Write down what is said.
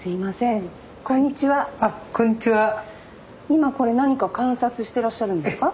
今これ何か観察してらっしゃるんですか？